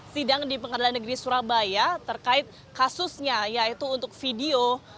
sidang di pengadilan negeri surabaya terkait kasusnya yaitu untuk video